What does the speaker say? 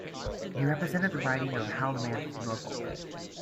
He represented the riding of Haldimand-Norfolk.